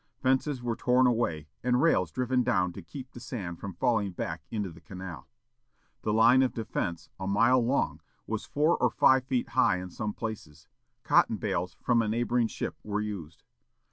Fences were torn away, and rails driven down to keep the sand from falling back into the canal. The line of defence, a mile long, was four or five feet high in some places. Cotton bales from a neighboring ship were used.